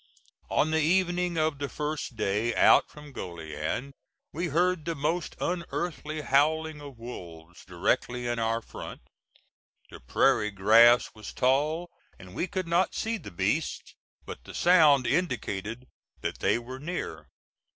On the evening of the first day out from Goliad we heard the most unearthly howling of wolves, directly in our front. The prairie grass was tall and we could not see the beasts, but the sound indicated that they were near.